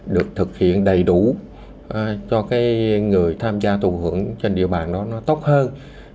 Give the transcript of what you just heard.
được thực hiện đầy đủ cho cái người tham gia tù hưởng trên địa bàn đó nó tốt hơn